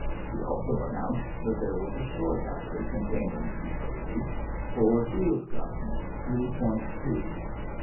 He also announced that there was a shore battery containing, he believed, four field guns three point twos.